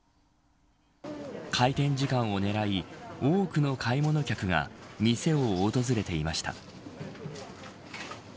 開店時間を狙い多くの買い物客が店を訪れていました。